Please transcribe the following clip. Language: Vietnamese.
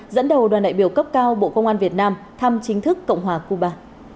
dẫn đầu đoàn đại biểu cấp cao bộ công an việt nam thăm chính thức cộng hòa cuba